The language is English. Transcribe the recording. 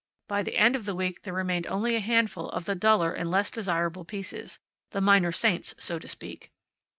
By the end of the week there remained only a handful of the duller and less desirable pieces the minor saints, so to speak.